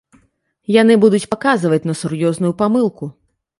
Яны будуць паказваць на сур'ёзную памылку.